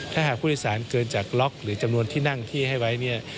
ถ้าหากผู้โดยสารเกินจากล็อกหรือจำนวนที่นั่งที่ให้ไว้เนี่ย